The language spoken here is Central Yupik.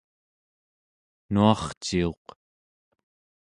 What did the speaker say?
nuarciuq